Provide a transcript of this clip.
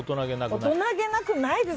大人げなくないです。